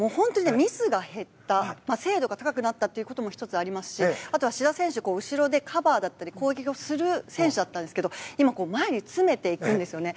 ミスが減った、精度が高くなったというのもありますしあとは志田選手、後ろでカバーだったり攻撃する選手だったんですが今、前に詰めていくんですよね。